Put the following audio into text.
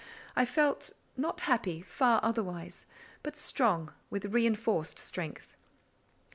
I felt, not happy, far otherwise, but strong with reinforced strength.